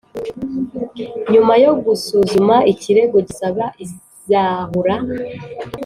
Nyuma yo gusuzuma ikirego gisaba izahura